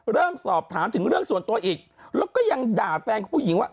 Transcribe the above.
เริ่มสอบถามถึงเรื่องส่วนตัวอีกแล้วก็ยังด่าแฟนของผู้หญิงว่า